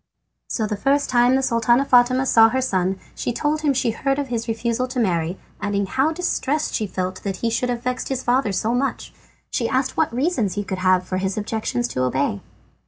So the first time the Sultana Fatima saw her son she told him she had heard of his refusal to marry, adding how distressed she felt that he should have vexed his father so much. She asked what reasons he could have for his objections to obey.